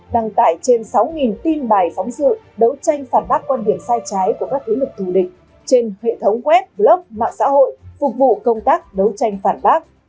đăng tải trên sáu tin bài phóng sự đấu tranh phản bác quan điểm sai trái của các thế lực thù địch trên hệ thống web blog mạng xã hội phục vụ công tác đấu tranh phản bác